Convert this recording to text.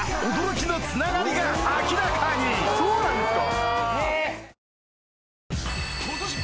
そうなんですか